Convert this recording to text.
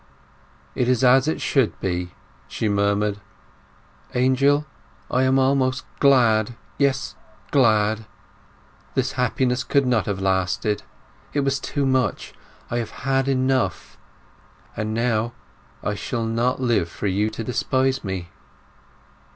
"It is as it should be," she murmured. "Angel, I am almost glad—yes, glad! This happiness could not have lasted. It was too much. I have had enough; and now I shall not live for you to despise me!"